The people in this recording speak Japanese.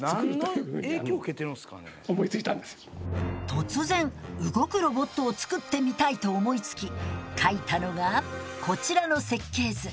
突然動くロボットを作ってみたいと思いつき描いたのがこちらの設計図。